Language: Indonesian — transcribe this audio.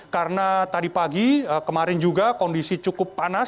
karena tadi pagi kemarin juga kondisi cukup panas